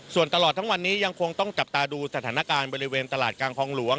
ส่วนตลอดทั้งวันนี้ยังคงต้องจับตาดูสถานการณ์บริเวณตลาดกลางคลองหลวง